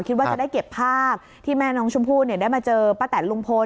คิดว่าจะได้เก็บภาพที่แม่น้องชมพู่ได้มาเจอป้าแตนลุงพล